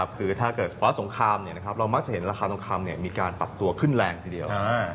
คือถ้าเกิดเฉพาะสงครามเรามักจะเห็นราคาทองคำมีการปรับตัวขึ้นแรงทีเดียว